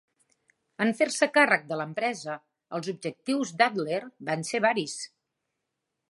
En fer-se càrrec de l'empresa, els objectius d'Adler van ser varis.